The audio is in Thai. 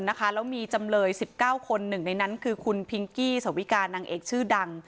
แล้วมีจำเลย๑๙คนหนึ่งในนั้นคือคุณพิงกี้สวิกานางเอกชื่อดัง